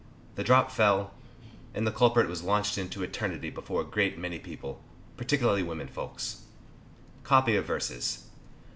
The drop fell, and the culprit was launched into eternity before a great many people, particularly women folks. COPY OF VERSES.